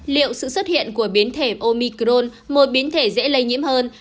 liệu sự xuất hiện của biến thể omicron một biến thể dễ lây nhiễm hơn